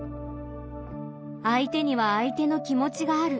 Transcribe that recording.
相手には相手の気持ちがある。